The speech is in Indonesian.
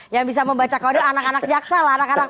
yang bisa membaca kode anak anak jaksal anak anak